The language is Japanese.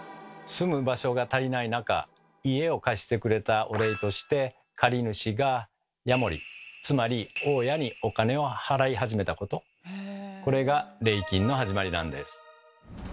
住む場所が足りない中家を貸してくれたお礼として借り主が「家守」つまり大家にお金を払い始めたことこれが礼金の始まりなんです。